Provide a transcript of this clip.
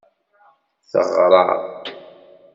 Teɣra.